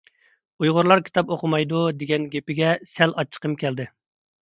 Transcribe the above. «ئۇيغۇرلار كىتاب ئوقۇمايدۇ» دېگەن گېپىگە سەل ئاچچىقىم كەلدى.